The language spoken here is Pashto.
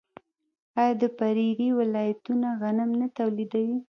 آیا د پریري ولایتونه غنم نه تولیدوي؟